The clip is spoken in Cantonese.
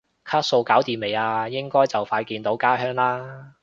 卡數搞掂未啊？應該就快見到家鄉啦？